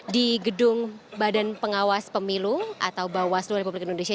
di gedung badan pengawas pemilu atau bawaslu republik indonesia